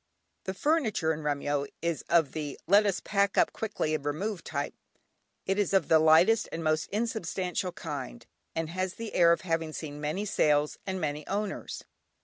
The furniture in Remyo is of the "let us pack up quickly and remove" type. It is of the lightest and most unsubstantial kind, and has the air of having seen many sales and many owners.